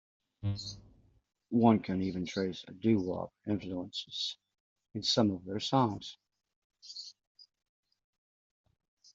One can even trace doo-wop influences in some of their songs.